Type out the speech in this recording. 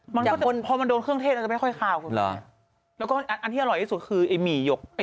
มันจะคลุกเข้ามันก็จะอร่อยมาก